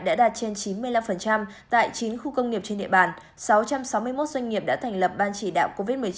đã đạt trên chín mươi năm tại chín khu công nghiệp trên địa bàn sáu trăm sáu mươi một doanh nghiệp đã thành lập ban chỉ đạo covid một mươi chín